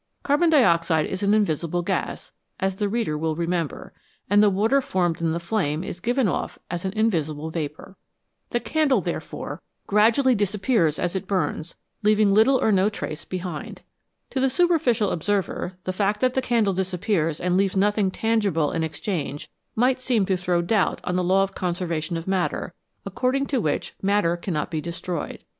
Carbon dioxide is an invisible gas, as the reader will remember, and the water formed in the flame is given off as an invisible vapour. The candle, therefore, gradually disappears as 107 PRODUCTION OF LIGHT AND HEAT it burns, leaving little or no trace behind. To the super ficial observer the fact that the candle disappears and leaves nothing tangible in exchange might seem to throw doubt on the law of conservation of matter, according to which matter cannot be destroyed.